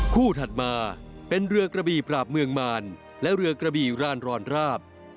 ถัดมาเป็นเรือกระบี่ปราบเมืองมารและเรือกระบี่รานรอนราบ